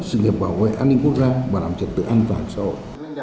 sự nghiệp bảo vệ an ninh quốc gia bảo đảm trật tự an toàn xã hội